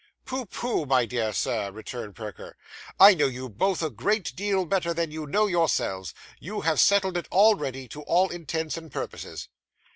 'Pooh, pooh, my dear Sir,' returned Perker. 'I know you both a great deal better than you know yourselves. You have settled it already, to all intents and purposes.